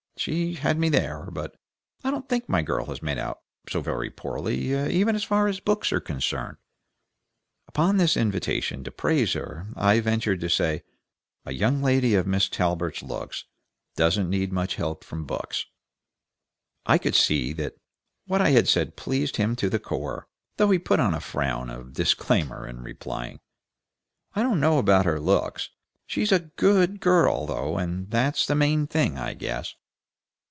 She had me there, but I don't think my girl has made out so very poorly even as far as books are concerned." Upon this invitation to praise her, I ventured to say, "A young lady of Miss Talbert's looks doesn't need much help from books." I could see that what I had said pleased him to the core, though he put on a frown of disclaimer in replying, "I don't know about her looks. She's a GOOD girl, though, and that's the main thing, I guess."